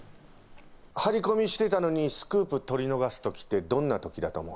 張り込みしていたのにスクープ取り逃がす時ってどんな時だと思う？